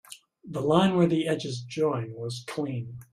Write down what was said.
The line where the edges join was clean.